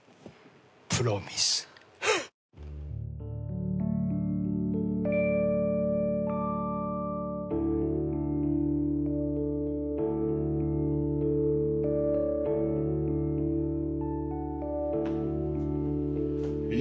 『プロミス』「今」